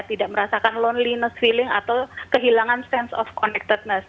tidak merasakan loneliness feeling atau kehilangan sense of connected